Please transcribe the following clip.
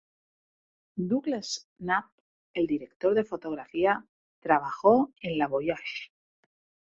Douglas Knapp, el director de fotografía, trabajó en la Voyager.